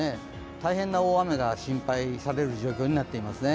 大変な大雨が心配される状況になっていますね。